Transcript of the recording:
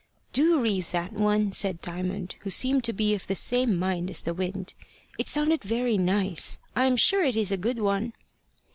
"Do read that one," said Diamond, who seemed to be of the same mind as the wind. "It sounded very nice. I am sure it is a good one."